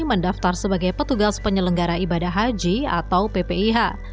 mendaftar sebagai petugas penyelenggara ibadah haji atau ppih